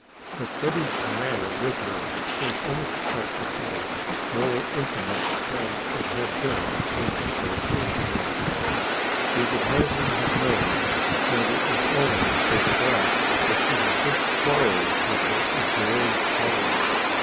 But Betty's manner with her was unexpectedly more intimate than it had been since their first meeting. She could hardly have known that it was owing to the fact that she had just quarreled with her adored Polly.